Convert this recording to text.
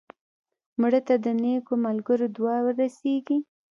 مړه ته د نیکو ملګرو دعا ورسېږي